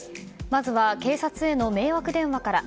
まずは警察への迷惑電話から。